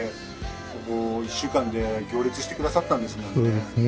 ここ１週間で行列してくださったんですもんね？